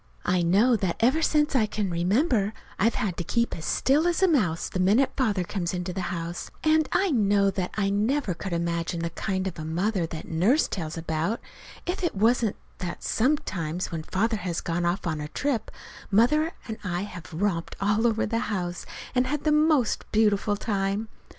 I know that ever since I can remember I've had to keep as still as a mouse the minute Father comes into the house; and I know that I never could imagine the kind of a mother that Nurse tells about, if it wasn't that sometimes when Father has gone off on a trip, Mother and I have romped all over the house, and had the most beautiful time.